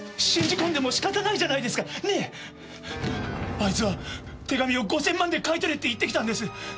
あいつは手紙を５千万で買い取れって言ってきたんです！